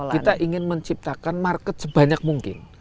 kita ingin menciptakan market sebanyak mungkin